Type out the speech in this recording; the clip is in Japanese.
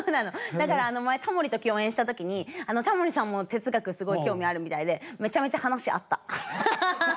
だから前タモリと共演した時にタモリさんも哲学すごい興味あるみたいでめちゃめちゃ話合った。